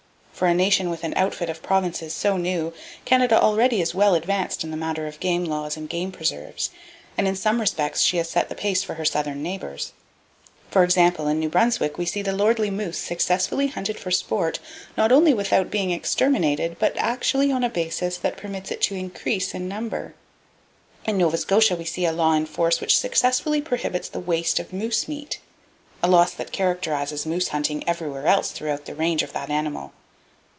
For a nation with an outfit of provinces so new, Canada already is well advanced in the matter of game laws and game preserves, and in some respects she has set the pace for her southern neighbors. For example, in New Brunswick we see the lordly moose successfully hunted for sport, not only without being exterminated but actually on a basis that permits it to increase in number. In Nova Scotia we see a law in force which successfully prohibits the waste of moose meat, a loss that characterizes moose hunting everywhere else throughout the range of that animal.